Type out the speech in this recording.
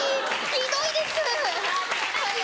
ひどいですはい。